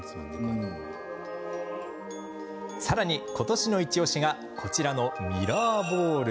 さらに、今年のイチおしがこちらのミラーボール。